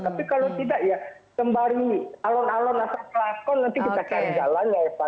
tapi kalau tidak ya sembari alon alon asal pelakon nanti kita cari jalannya eva